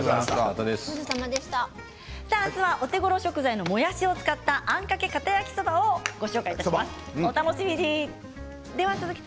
明日はお手ごろ食材のもやしを使ったあんかけかた焼きそばをご紹介いたします。